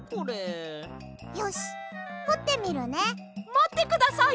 まってください！